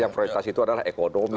prioritas itu adalah ekonomi